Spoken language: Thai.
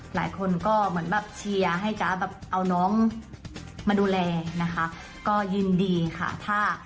หลายคนก็เหมือนแบบเชียร์ให้จ๊ะแบบเอาน้องมาดูแลนะคะก็ยินดีค่ะถ้า